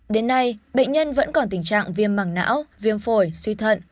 đến nay bệnh nhân vẫn còn tình trạng viêm mảng não viêm phổi suy thận